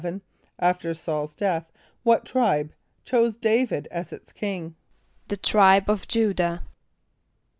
= After S[a:]ul's death what tribe chose D[=a]´vid as its king? =The tribe of J[=u]´dah.